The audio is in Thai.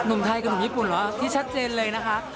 หนุ่มไทยกับหนุ่มญี่ปุ่นเหรอที่ชัดเจนเลยนะคะ